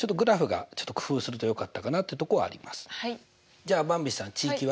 じゃあばんびさん値域は？